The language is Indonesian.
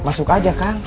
masuk aja kang